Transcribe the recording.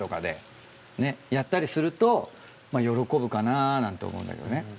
やったりすると。なんて思うんだけどね。